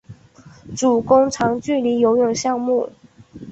主攻长距离游泳项目。